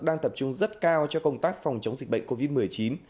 đang tập trung rất cao cho công tác phòng chống dịch bệnh covid một mươi chín